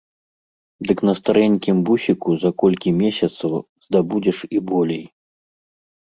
Дык на старэнькім бусіку за колькі месяцаў здабудзеш і болей.